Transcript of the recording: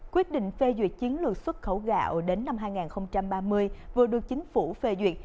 quyết định phê duyệt chiến lược xuất khẩu gạo đến năm hai nghìn ba mươi vừa được chính phủ phê duyệt